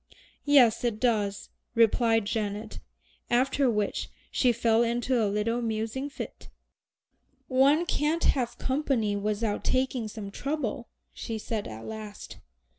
"Yes, it does," replied Janet, after which she fell into a little musing fit. "One can't have company without taking some trouble," she said at last.